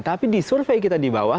tapi di survei kita di bawah